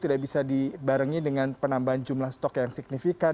tidak bisa dibarengi dengan penambahan jumlah stok yang signifikan